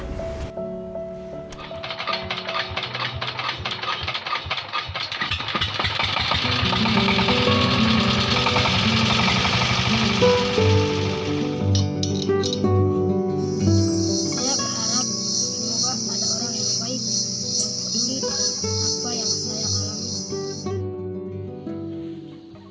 saya berharap semoga ada orang yang baik yang memimpin apa yang saya alami